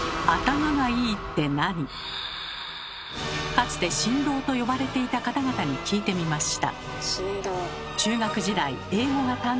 かつて神童と呼ばれていた方々に聞いてみました。